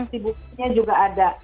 sibuknya juga ada